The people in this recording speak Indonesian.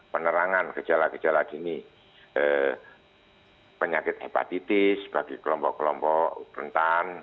penerangan gejala gejala dini penyakit hepatitis bagi kelompok kelompok rentan